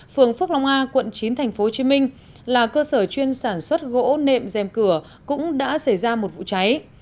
phường phước long a quận chín tp hcm là cơ sở chuyên sản xuất gỗ nệm dèm cửa cũng đã xảy ra một vụ cháy